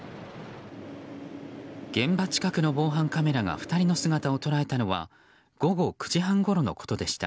現場近くの防犯カメラが２人の姿を捉えたのは午後９時半ごろのことでした。